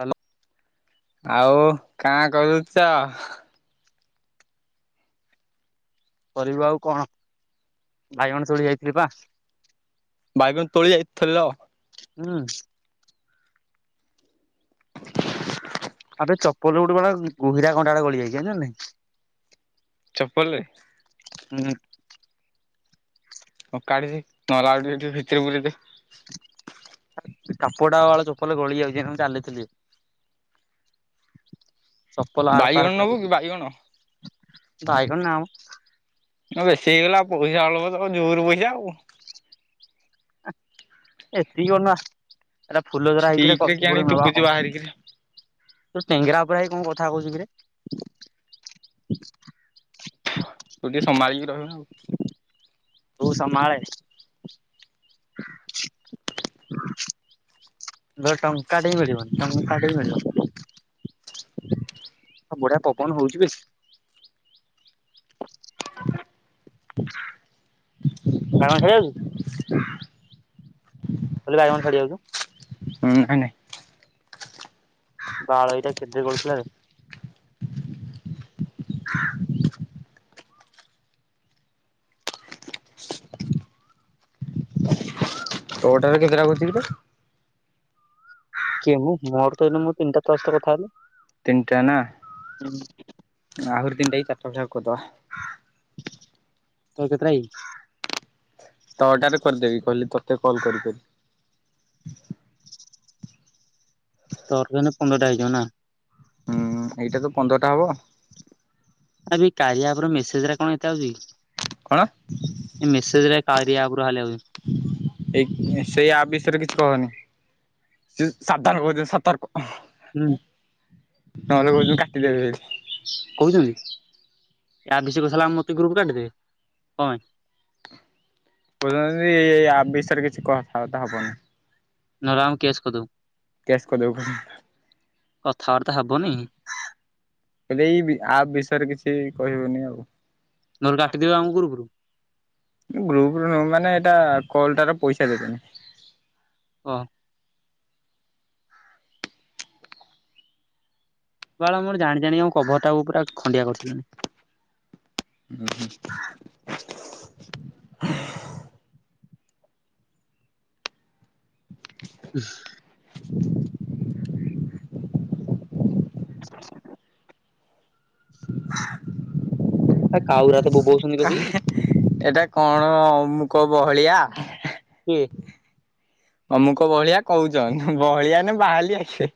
Hello. ଆଉ କାଣା କରୁଚ? କରିବୁ ଆଉ କଣ? ବାଇଗଣ ତୋଳି ଯାଇଥିଲି ପା । ବାଇଗଣ ତୋଳି ଯାଇଥିଲ। ହୁଁ। ଏବେ ଚପଲରେ ଗୋଟେ ବେଳେ ଗୁହିରା କଣ୍ଟାଟେ ଗଳିଯାଇଛି ନା ନାଇଁ। ଚପଲରେ? ହୁଁ। ହଉ କାଢ଼ିଦେ ନହେଲେ ଆଉ ଟିକେ ଟିକେ ଭିତେରେ ପୁରେଇଦେ। ସେ କାପଡା ବାଳ ଚପଳରେ ଗଳି ଯାଉଛି ମୁଁ ଚାଲିଥିଲି । ବାଇଗଣ ନବୁ କି ବାଇଗଣ। ବାଇଗଣ ନା ମ । ବେଶୀ ହେଇଗଲା ପଇସା ଅଳପ ତମ ଜୋର ପଇସା ଆଉ । ଏତିିକି ଅନା । ଏଇଟା ଫୁଲ ଝୁରା‌ ହେଇଥିଲେ ଷ୍ଟିକ ରେ କଷୁ କିଆଣି ପଡି ନେବା ଦୁବୁଛି ହଉ। ବାହାରିକିରି ତୁ ଟେଙ୍ଗିରା ଉପରେ ହେଇ କଣ କର କଥା ହଉଚୁ କିରେ? ତୁ ଟିକେ ସମ୍ଭାଳିକି ରହିବୁ ନା। ତୁ ସମ୍ଭାଳେ। ହୁଁ । ଟଙ୍କା ଟେ ହି ମିଳିବନି। ଟଙ୍କା ଟେ ବି ମିଳିବନି। ବଢିଆ ପବନ ହଉଛି ବେ । ଦାଦାଙ୍କୁ ଛାଡ଼ିଆକୁ ଯିବୁ। କାଲି ବାଇଗଣ ସାଡ଼ିବାକୁ। ହୁଁ ନାଇଁ ନାଇଁ ବାଳ ଏଟା କେଟେର କରୁଥିଲାରେ। ତୋ ଟାରେ କେତେଟା ବୁଝିବି ଯେ? କିଏ ମୁଁ ମୋର ତ ଏଇନୁ ମୁଁ ତିନିଟା ତା ସହିତ କଥା ହେଲି। ତିନିଟା ନା ଆହୁରି ତିନିଟା କି ଚାରଟାବେଳେ ଯାହା କରଦବା। ତୋର କେତେଟା କି? ତୋ ଅର୍ଡ଼ାରେ କରିଦେବି କହିଲି ତତେ କଲ୍ କରି କରି ତୋର ତ ଏଇନେ ପନ୍ଦରଟା ହେଇଚି। ଯୋଉ ନା। ହୁଁ ଏଇଟା ତ ପନ୍ଦରଟା ହବ। ଆ କାଳିଆର ମେସେଜରେ କଣ ଏତେ କଣ ଆଉଛି। ମେସେଜ କାରିରିଆ ଆପ ଏଇ ସେଇ ଆପ୍ ବିଷୟରେ କିଛି କହନି ହଁ ସାବଧାନ କହୁଛନ୍ତି ସତର୍କ କହୁଛନ୍ତି। ନହେଲେ କହୁଛନ୍ତି କାଟିଦେବେ ବୋଲି। ଭିଷ କରି ସାରିଲା ମତେ ଗ୍ରୁପ କାଟିଦେବେ କଣ ପାଇଁ? କ ଆପ ବିଷୟରେ ସତରେ କିଛି କହନି। ସତା ହେପନା ନରାମ କେସ କରିଦେବୁ। କେସ୍ କରିଦେବୁ। କଥାବାର୍ତ୍ତା ହବନି। ଏ ଏଇ ଆ ବିଷୟରେ କିଛି କହିବୁନି ଆଉ। ନହେଲେ କାଟିଦବା ଆମ ଗ୍ରୁପ ରୁ? ଗ୍ରୁପ ର ନୁ ମାନେ ଏଇଟା କଲ୍ ଟା ପଇସା ଦେବେନି। କହ। ବାଳ ମୋର ଜାଣି ଜାଣି ଆମ କଭରଟାକୁ ପୁରା ଖଣ୍ଡିଆ କରିସାରିଲିଣି। ହୁଁ ହଁ। ହ କାଉରା ତ ବୋବଉଛନ୍ତି କସିକି ଏଟା କଣ ଅମୁକ ବହଳିଆ। କିଏ? ଅମୁ କ ବଳିଆ କହୁଛ ବଳିଆ ନ ବାହାରଲି ଆସେ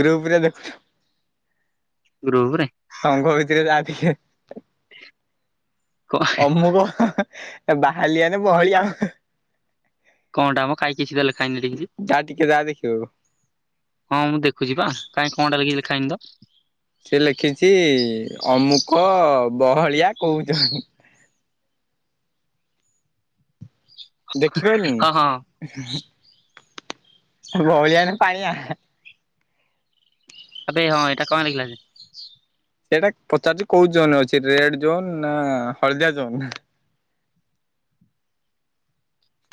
ଗ୍ରୁପ ରେ ଦେଖୁଛ। ଗ୍ରୁପରେ ସଂଘ ଭିତରେ ତା ଟେ କ ଅମୁକ ବାହାରଲିଆନ ବହଳିଆ ଆମ କଣ ଟାମ କାଇହିଁ କିଛି ଦେଲେ ଖାଇନି ଯାହା ଟିକେ ଯାହା ଦେଖିବୁ। ହଁ ମୁଁ ଦେଖୁଛି ବା କାଇହିଁ କଣଟାଖ। ଖାଇନ୍ତ। ସେ ଲେଖିଛି ଅମୁକ ବହଳିଆ କହୁନ୍। ହଁ ହଁ ଦେଖିପାରିଲିନି। ବହଳିଆ ନା ପାଣିଆ। ଆବେ ହଁ ଏଇଟା କଣ ଲେଖିଲା ଯେ ସେଇଟା ପଚାରୁଛି କୋଉ ଜୋନରେ ଅଛି ରେଡ ଜୋନ୍ ନା ହଳଦିଆ ଜୋନ୍ ।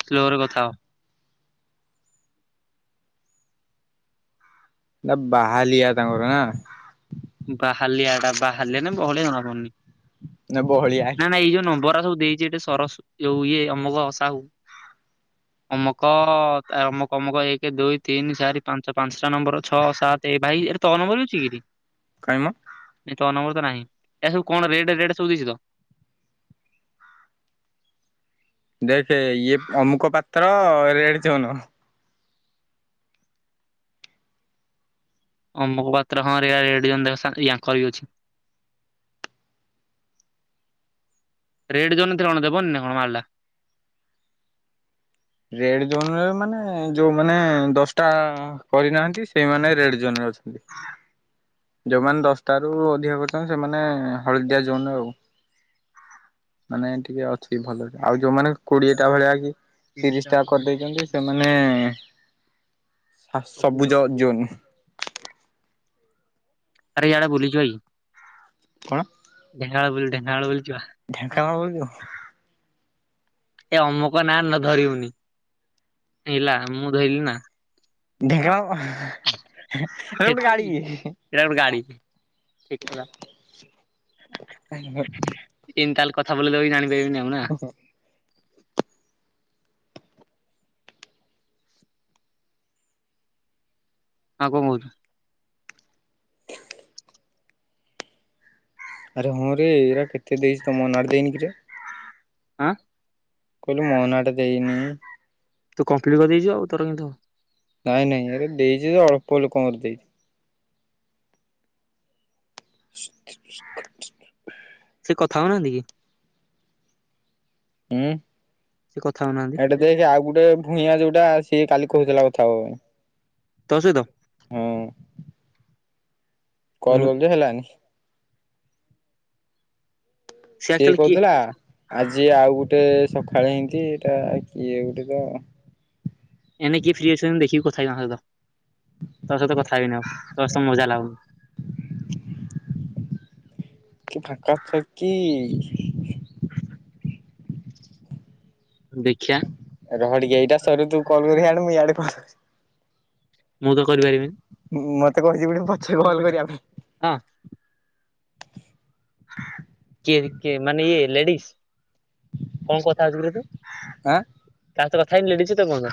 ସ୍ଲୋ ରେ କଥା ହ। ଏଇଟା ବାହାଲିଆ ତାଙ୍କର ନା । ବାହାଳିଆ ନା ବହଳିଆ ଜଣା ପଡୁନି ନା ବହଳିଆ । ନା ନା ଏଇ ଯୋଉ ନମ୍ବର ସବୁ ଦେଇଛି ଏସ ତର ଯଉ ଇଏ ଅମକ ସାହୁ [inaudible] ଅମକ ଅମକ ଅମକ ଏକ ଦୁଇ ତିନିଚାରି ପାଞ୍ଚ ପାଞ୍ଚଟା ନମ୍ବର ଛଅ ସାତ ଏ ଭାଇ ତ ନମ୍ବର ଅଛି କିରେ। କାଇଁ ମ [inaudible] ଏ ତ ନମ୍ବର । ନାହିଁ । ଏ ସବୁ କଣ ରେଡ ରେଡ ସବୁ ଦେଇଛି ତ? ଦେଖେ ଇଏ ଅମୁକ ପାତ୍ର ରେଡ୍‌ ଜୋନ । ଅମୁକ ପାତ୍ର ହଁ ରେଡ ଜୋନ୍ ୟାଙ୍କର ବି ଅଛି [inaudible] ରେଡ ଜୋନରେଣ ଦେବନି ନା କଣ ମାରିଲା। [inaudible] ରେଡ ଜୋନରେ ମାନେ ଯୋଉ ମାନେ ଦଶଟା କରିନାହାନ୍ତି ସେଇମାନେ ରେଡ ଜୋନରେ ଅଛନ୍ତି। ଯୋଉମାନେ ଦଶଟ ରୁ ଅଧିକ କରିଛନ୍ତି ସେମାନେ ହଳଦିଆ ଜୋନରେ ଆଉ । ମାନେ ଟିକେ ଅଛି ଭଲରେ ଆଉ ଯୋଉମାନେ କୋଡିଏଟା ଭଳିଆ କି? ତିରିଶ ଟା କରିଦେଇଛନ୍ତି। ସେମାନେ ଏ ସାସ ସବୁଜ ଜୋନ । ଆରେ ଇୟାଡେ ବୁଝିଛ କି? କଣ? [unintelligible] ଢେଙ୍କାନାଳ ବୁଲିଯିବୁ। ଏ ଅମକ ନା ନ ଧରିବୁନି ହେଲା ମୁଁ ଧରିଲି ନା । ଢେଙ୍କାଳ ହେଇଟା ଗୋଟେ ଏଇଟା ଗାଡି। ଗୋଟେ ଗାଡି ଠିକ କଥା ଏମିତି ତାହେଲେ କଥା ବୋଲି ଦେବି ଜାଣିବୁ। ହେଇନି ଆଉ ନା । ଆଉ କଣ କହୁଛୁ? ଆରେ ହଁ ରେ ଏଇରା କେତେ ଦେଇଛି ତମ ଦେଇନି କିରେ? ଆଁ । କଇଲୁ ମୋ ନାଆଁଟା ଦେଇନି। [unintelligible] ତୁ କମ୍ପ୍ଲିଟ କରିଦେଇଛୁ ଆଉ ତୋର କେମତି ହବ । ନାଇଁ ନାଇଁ ଏରେ ଦେଇଛି ଯେ ଅଳ୍ପ ଲୋକଙ୍କର ଦେଇଛି । [inaudible] ସେ କଥା ହଉନାହାନ୍ତି କି? ହୁଁ। ସେ କଥା ହଉନାହାନ୍ତି ଏଇଟା ଦେଖି ଆଉ ଗୋଟେ ଭୂଇଆ ଯୋଉଟା ଆସ ସିଏ କାଲି କହୁଥିଲା କଥା ହବାପାଇଁ। ତୋ ସହିତ [inaudible] ହୁଁ। ହୁଁ କଲ କଲୁ ଯେ ହେଲାନି। ସେ ସିଏ ଆକ୍ଚୁଆଲି କିଏ କହୁଥିଲା ଆଜି ଆଉ ଗୋଟେ ସକାଳେ ହେଇଛି ଏଟା କିଏ ଗୋଟେ ତ ଏନ କିଏ ଫ୍ରି ଅଛ ଦେଖିକି କଥା ହେ ତ ସହିତ ତୋ ସହିତ କଥା ହଇନି ଆଉ ତୋ ସହିତ ମଜା ଲାଗୁନି। [inaudible] କିସ କରୁଚକି? ଦେଖିଆ ରହ ଟିକିଏ ଏଇଟା ସରୁ ତୁ କଲ କରିବୁ ମୁଁ ଇଆଡେଲ ମୁଁ ତ କରିପାରିବିନି। ମତେ କହିଛି ବୋଲି ପଛେ କଲ କରିବା ପାଇଁ ହଁ [inaudible] କିଏ କିଏ ମାନେ ଇଏ ଲେଡିସ୍। କଣ କଥା ହଉଛୁ କିରେ ତୁ [unintelligible] କାହା ସହିତ କଥା ହେଇନି ଲେଡିସ୍ ସହିତ କଣ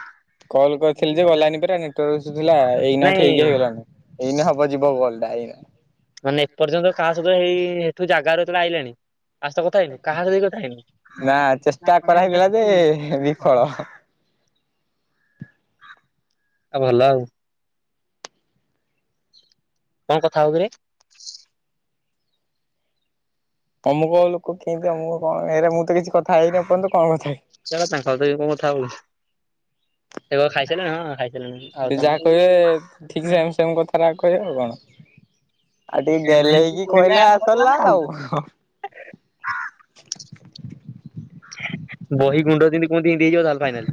କଲ କରିଥିଲି ଯେ ଗଲାନି ପା ନେଟାର୍ଥିଲା ଏଇନା ନାଇଁ ଠିକ ହେଇଗଲାଣି। ଏଇ ହବ ଯିବ କଲ ଟା ଏଇ ମାନେ ଏପର୍ଯ୍ୟନ୍ତ କାହା ସହ ହେଇ ତୁ ଜାଗା ଯେତେବେଳେ ଆଇଲଣି [unintelligible] ନା ଚେଷ୍ଟା କରାହଇଗଲା ଯେ ବିଫଳ। [inaudible] ଆଉ ଭଲ ଆଉ କଣ କଥା ହଉ କିରେ। [inaudible] ତମୁ କୋଉ ଲୋକ କେମତି ଆମ କଣ ଏ ମୁଁ ତ କିଛି କଥା ହେଇନି [unintelligible] ଏପର୍ଯ୍ୟନ୍ତ କଣ କଥା ହେବି। ଚାଲ ତା ଖାଉ କ କଥା ହ। ଏବେ ଖାଇସଣି ହଁ ଖାଇସଣି ସେ ଆଉ ଯାହା ତମ [unintelligible] ଖୟୋଗ କଣ? ଆଉ ଟିକେ ଗେଲେ ହେଇକି କହିଲେ ଆସରିଲା ଆଉ [inaudible] ବହି ଗୁଣ୍ଡ ଦମିତି କୁହନ୍ତି। ଏମିତି ହେଇଯିବ ତାହେଲେ ଫାଇନାଲ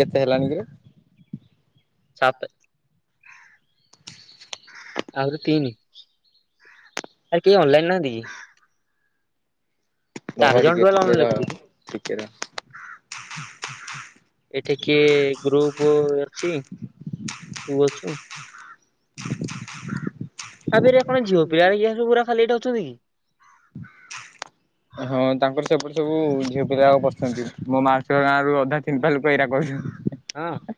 କେତେ ହେଲାଣି କିରେ। ସାତେ [inaudible] ଆହୁରି ତିନି [inaudible] ଆହୁରି କେହି ଅନଲାଇନ ନାହାନ୍ତି। ରହ ଚାରି ଜଣ ଟିକେ ଟୋଟାଲ ଟିକେ ଅନଲାଇନ ର ଲେଖୁଛନ୍ତି ଟିକେ ର [inaudible] ଏଠି କିଏ ଗ୍ରୁପ ଅଛି ତୁ ଅଛୁ। [inaudible] ଆପରେ କଣ ଝିଅ ପିଲାବୁ ପୁରା ଖାଲି ଏଇଟା ଅଛନ୍ତି କି? ହଁ ତାଙ୍କର ସେପଟ ସବୁ ଝିଅ ପିଲା। ଛନ୍ତି ମୋ ମାସଆ ଗାଁ ରରୁ ଅଧା ତିନିପଲୋକ ଏଇଟା ହଁ କହୁଛ।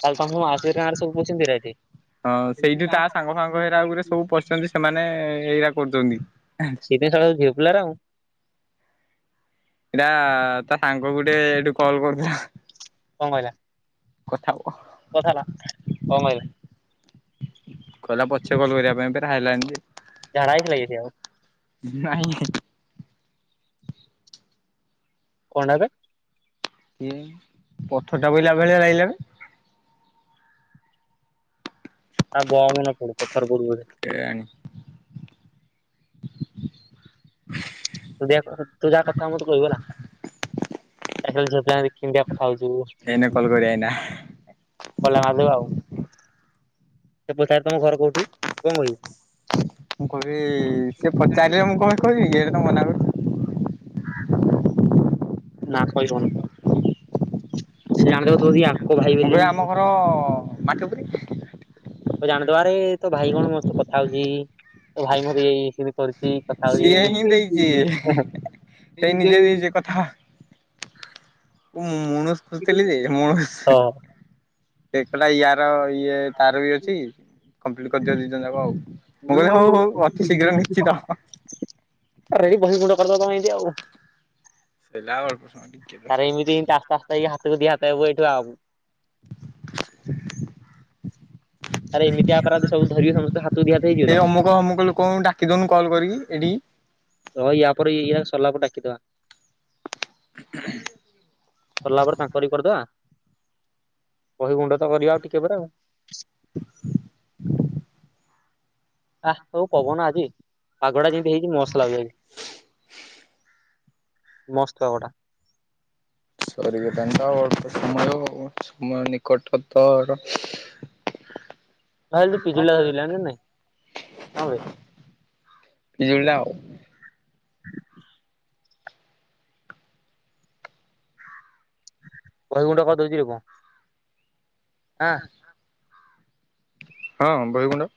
କାଲି ତଙ୍କୁ ଆବି ଟଙ୍କାରେ ସବୁ ପୁଛନ୍ତି ସେ ଏଠି ହଁ ସେଇଠି ତା ସାଙ୍ଗ ଫାଙ୍ଗ ହେରା ଗୁରେ ସବୁ ପଶୁଛନ୍ତି ସେମାନେ ଏଇରା କରୁଛନ୍ତି। ସେଇଥିପାଇଁ ଶଳା ସବୁ ଝିଅ ପିଲାରା ଆଉ ଏଇଟା ତା ସାଙ୍ଗ ଗୋଟେ ଏଇଠି କଲ କରୁଥିଲା। କଣ କହିଲା? କଥା ହୋ କଥାଲା କଣ କହିଲା? କହିଲା ପଛ କଲ କରିବା ପାଇଁ ପରା ହେଲାନି। ଏ ଝାଡ଼ା ହେଇଥିଲା କି ସେ ଆଉ? [inaudible] କଣ ହେବେ? [unintelligible] ପଥରଟା ପାଇଲା ଭଳିଆ ଲାଗିଲାନି। ଆଉ ବ ମ ନା ପଡ ତା ପୁର୍ବରେ କେଆଣି। ତୁ ଯାହା କଥା ହୋବୁ ମତେ କହିବୁ ହେଲା। ତା ସହିତ ଝିଅ ପିଲାବି। କେମୀତିଆ କଥା ଏଇନା ହଉଛିିବ କଲ୍ କରିବା ଏଇନା କଲେ ମଜିବ ଆଉ। ସେ ପଚାରେ ତମ ଘର କୋଉଠି କଣ କହିବୁ? ମୁଁ କହିବି ସିଏ ପଚାରିବେ ମୁଁ କହିବି କହିବି ଗଟ ତମ ମନା କର ନା କହିବନି ସେ ଆମକୁ ଥୋଡି ମୁଁ କହିଁ ଆମ ଘର ହ ମାଛ ଓ ଜାଣ ଦ୍ୱାରେ ତ ଭାଇ କଣ ସମସ୍ତେ କଥା ହଉଛି ଭାଇ ମୋତେ ଏଇ ସବୁ କରିଛି। ସେଇ କଥା ହୋଉଛି। ସିଏ ହିଁ ଦେଇଛି। ସେଇ ନିଜେ ଦେଇଛି କଥା ମନଷ ଖୋଯୁଥିଲି ଜେ ମନଷ ହଁ ସେକଲା ୟାର ତାର ବି ଅଛି କମ୍ପ୍ଲିଟ କରିଦିଅ ଦି ଜଣ ଯାକ ଆଉ ମୁଁ କହିଲି ହଉ ହଉ ଅତି ଶୀଘ୍ର ନିଶ୍ଚିତ। ରେଡି ବହି ଗୁଣ୍ଡ କରିଦବ ତମେ ଆଉ। ଶୋଇଲାଳୁ ତାର ଏମିତି ଏତି ଆସ୍ତେ ଆସ୍ତେ ହାତକୁ ଦି ହାତ ହେବ ଏଇଠୁ ଆବ ଆରେ ଏମିତି ଅପରାଧୀ ସବୁ ଧରିବ ସମସ୍ତେ ହାତ ଦି ହାତ ଏଇ ହେଇଯିବ। ଅମୁକ ଅମୁକ ଲୋକଙ୍କୁ ଡାକି ଦଉନୁ କଲ୍ କରିକି ଏଇଠି। ହ ୟା ପରେ। ତଲାକୁ ଡାକିଦବା। ସଲା ପରେ ତାଙ୍କରିି କରିଦବା। କହି ଗୁଣ୍ଡ ତ କରିବା ଆଉ ଟିକେ ପରେ ଆଉ । ଆ ତଉ ପବନ ଆଜି। ପାଗ ଟା ଯେମିତି ହେଇଛି ମସ ଲାଗୁଛି ଆଜି। ମସ୍ତ କଟା। ସରିଗଲାଣି ତ ଆଉ ଅଳ୍ପ ସମୟ ସମୟ ନିକଟତର। ଭାଇ ପିଜୁଳି ଟା ଧରିଲାଣି ଜାଣିଛୁ ନା ନାଇଁ ହଁ ବେ ପଜୁଲି ଆଉ। ବହ ଗୁଣ୍ଡ କରିଦଉଛି କଣ। ହଁ ହଁ। ହଁ ବହିଗୁଣ୍ଡ।